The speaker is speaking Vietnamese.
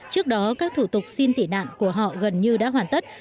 trước đó các thủ tục xin tị nạn của họ gần như đã hoàn tất